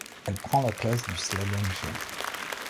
Elle prend la place du slalom géant.